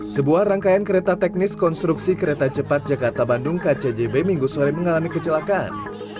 sebuah rangkaian kereta teknis konstruksi kereta cepat jakarta bandung kcjb minggu sore mengalami kecelakaan